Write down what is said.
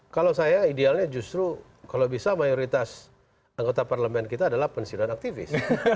kalau saya idealnya justru kalau bisa mayoritas anggota parlemen kita adalah pensiunan aktivis